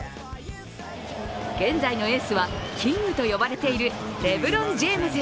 現在のエースはキングと呼ばれているレブロン・ジェームズ。